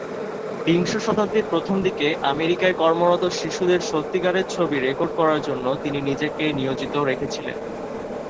বিংশ শতাব্দীর প্রথম দিকে আমেরিকায় কর্মরত শিশুদের সত্যিকারের ছবি রেকর্ড করার জন্য তিনি নিজেকে নিয়োজিত রেখেছিলেন।